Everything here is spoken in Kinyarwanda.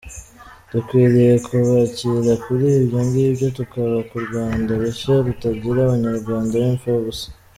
Dukwiriye kubakira kuri ibyo ngibyo tukubaka u Rwanda rushya rutagira Abanyarwanda b’impfabusa.